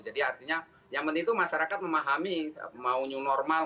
jadi artinya yang penting itu masyarakat memahami mau new normal